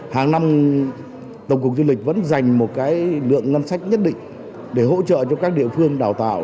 hàng năm tổng cục du lịch vẫn dành một lượng ngân sách nhất định để hỗ trợ cho các địa phương đào tạo